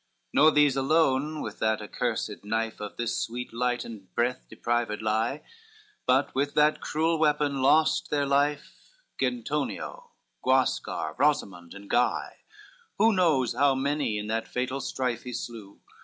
XL Nor these alone with that accursed knife, Of this sweet light and breath deprived lie; But with that cruel weapon lost their life Gentonio, Guascar, Rosimond, and Guy; Who knows how many in that fatal strife He slew?